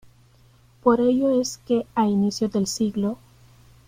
Por ello es que a inicios del siglo.